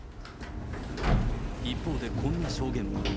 一方でこんな証言も。